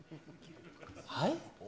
はい？